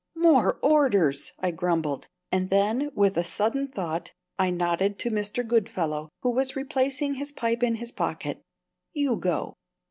"More orders!" I grumbled; and then, with a sudden thought, I nodded to Mr. Goodfellow, who was replacing his pipe in his pocket. "You go.